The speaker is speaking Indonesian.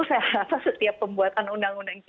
saya rasa setiap pembuatan undang undang ini